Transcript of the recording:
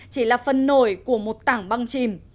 chỉ là phần nổi của một tảng băng chìm